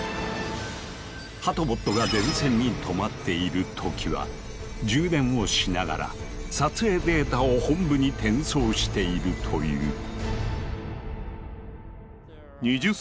ハトボットが電線にとまっている時は充電をしながら撮影データを本部に転送しているという。